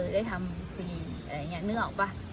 ได้ทำฟรีอะไรอย่างนี้นึกออกป่ะ